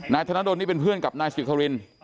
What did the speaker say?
ธนดลนี่เป็นเพื่อนกับนายสิคริน